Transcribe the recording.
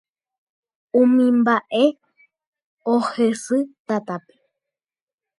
Umi mbaʼe ohesy tatápe.